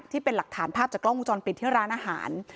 ที่เป็นหลักฐานภาพจากกล้องวงจรปิดที่ร้านอาหาร